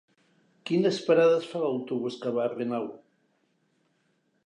Quines parades fa l'autobús que va a Renau?